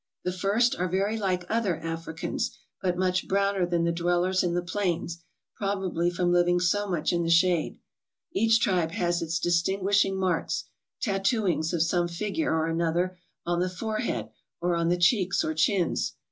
The first are very like other Africans, but much browner than the dwellers in the plains, probably from living so much in the shade. Each tribe has its dis tinguishing marks, tattooings of some figure or another on the forehead or on the cheeks or chins.